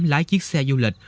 lái chiếc xe du lịch